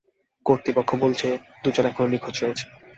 কর্তৃপক্ষ বলছে, দুজন এখনো নিখোঁজ রয়েছে।